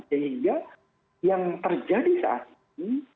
sehingga yang terjadi saat ini